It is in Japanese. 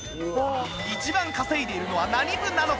一番稼いでいるのは何部なのか？